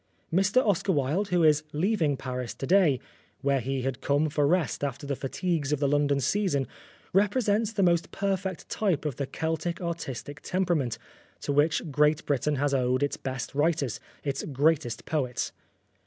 Mr Oscar Wilde, who is leaving Paris to day, where he had come for rest after the fatigues of the London season, represents the most perfect type of the Celtic artistic temperament, to which Great Britain has owed its best writers, its greatest poets.